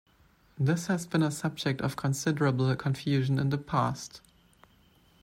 This has been a subject of considerable confusion in the past.